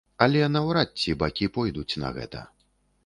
Але наўрад ці бакі пойдуць на гэта.